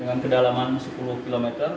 dengan kedalaman sepuluh km